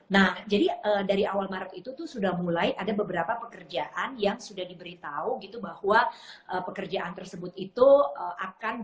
nah jadi dari awal maret itu tuh sudah mulai ada beberapa pekerjaan yang sudah diberitahu gitu bahwa pekerjaan tersebut itu akan